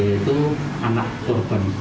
ternyata tersangka berusaha melarikan diri